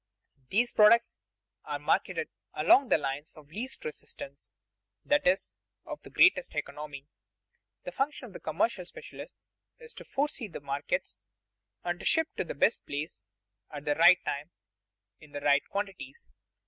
These products are marketed along the lines of the least resistance, that is, of the greatest economy. The function of the commercial specialists is to foresee the markets, and to ship to the best place, at the right time, in the right quantities.